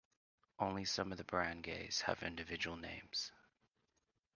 Only some of the barangays have individual names.